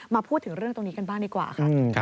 พูดถึงเรื่องตรงนี้กันบ้างดีกว่าค่ะ